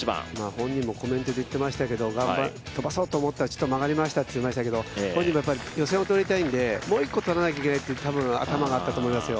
本人もコメントで言っていましたけれども、飛ばそうと思って打ったら曲がったと言っていましたけれども、本人も予選を通りたいので、もう一個取らないといけないという頭があったと思いますよ。